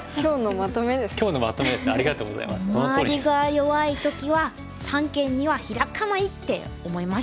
周りが弱い時は三間にはヒラかないって思いました。